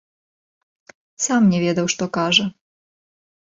Сам не ведаў, што кажа!